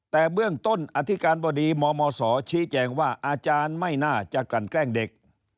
แต่เบื้องต้นอธิการบดีมมศชี้แจงว่าอาจารย์ไม่น่าจะกันแกล้งเด็ก